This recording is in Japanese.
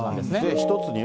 １つには。